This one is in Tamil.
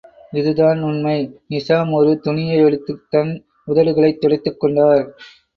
இதுதான் உண்மை! நிசாம் ஒரு துணியை யெடுத்துத் தன் உதடுகளைத் துடைத்துக் கொண்டார்.